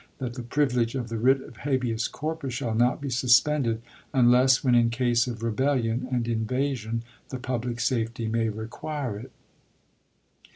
that the privilege of the writ of habeas corpus shall not be suspended unless when in case of rebellion and in vasion the public safety may require it.